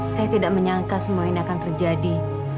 saya tidak menyangka semua ini akan terjadi